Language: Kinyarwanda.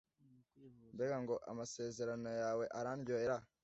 mbega ngo amasezerano yawe arandyohera